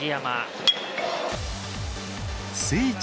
聖地